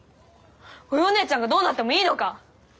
おようねえちゃんがどうなってもいいのか！